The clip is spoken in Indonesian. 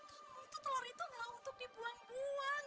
kamu tuh telur itu gak untuk dibuang buang